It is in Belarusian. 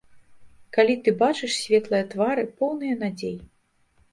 Калі ты бачыш светлыя твары, поўныя надзей.